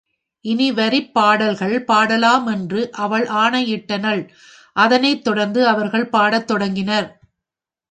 இனி வரிப் பாடல்கள் பாடலாம் என்று அவள் ஆணையிட்டனள் அதனைத் தொடர்ந்து அவர்கள் பாடத் தொடங்கினர்.